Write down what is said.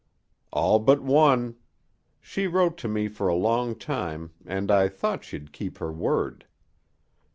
"All but one. She wrote to me for a long time, and I thought she'd keep her word.